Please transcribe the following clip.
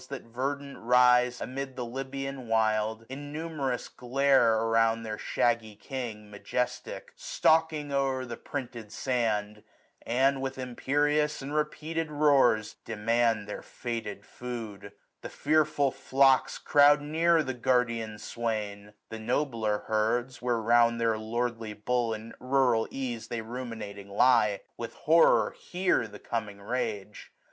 That verdant rise amid the Lybian wild, Innumerous glare around their shaggy king gi^ Majestic, stalking o'er the printed sand 5 And, with imperious and repeated roars. Demand their fated food. The fearful flocks Croud near the guardian swain ; the nobler herds. Where round their lordly bull, in rural ease, 930 They ruminating lie, with horror hear The coming rage.